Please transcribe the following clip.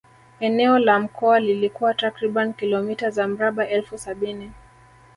Eneo la mkoa lilikuwa takriban kilometa za mraba elfu sabini